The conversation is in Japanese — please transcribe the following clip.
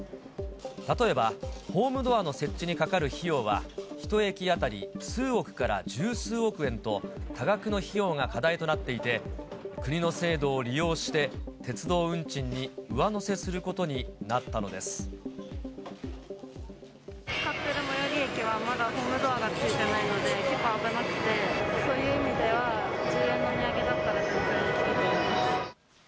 例えば、ホームドアの設置にかかる費用は、１駅当たり数億から十数億円と、多額の費用が課題となっていて、国の制度を利用して、鉄道運賃に使ってる最寄り駅は、まだホームドアがついてないので、結構危なくて、そういう意味では、１０円の値上げだったら全然いいと思います。